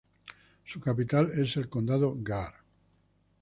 Su capital es el condado Gar.